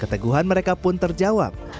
keteguhan mereka pun terjawab